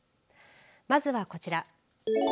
まずはこちら。